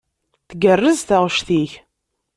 Tgerrez taɣect-ik.